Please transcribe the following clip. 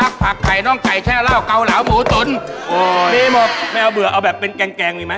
ไม่เอาเบื่อเอาแบบเป็นแกงหนึ่งไหม